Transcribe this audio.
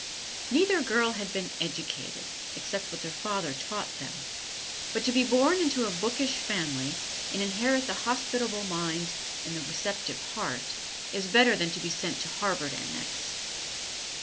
Neither girl had been "educated," except what their father taught them. But to be born into a bookish family, and inherit the hospitable mind and the receptive heart, is better than to be sent to Harvard Annex.